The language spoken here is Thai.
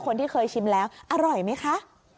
คนที่เคยชิมแล้วอร่อยไหมคะ